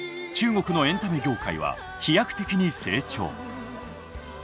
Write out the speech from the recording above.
中国のエンタメ業界は飛躍的に成長。